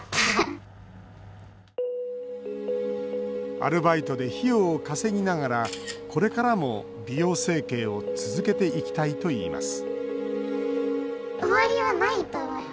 アルバイトで費用を稼ぎながらこれからも美容整形を続けていきたいといいます